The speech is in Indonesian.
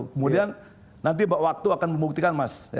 kemudian nanti waktu akan membuktikan mas